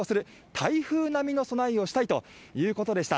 台風並みの備えをしたいということでした。